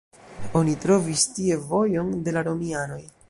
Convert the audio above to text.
Oni trovis tie vojon de la romianoj.